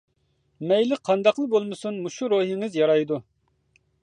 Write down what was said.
مەيلى قانداقلا بولمىسۇن مۇشۇ روھىڭىز يارايدۇ.